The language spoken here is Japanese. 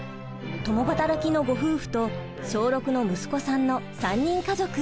共働きのご夫婦と小６の息子さんの３人家族。